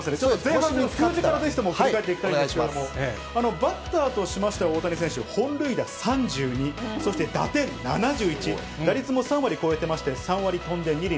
数字としても振り返っていきたい必ずけど、バッターとしましては、大谷選手、本塁打３２、そして打点７１、打率も３割超えてまして３割とんで２厘。